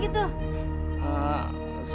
saya tidak menangis